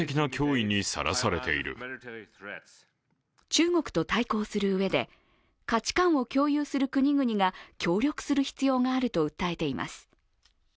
中国と対抗するうえで、価値観を共有する国々が協力する必要があると訴えています。